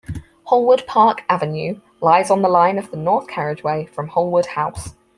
Holwood Park Avenue lies on the line of the north carriageway from Holwood House.